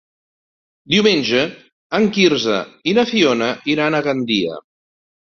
Diumenge en Quirze i na Fiona iran a Gandia.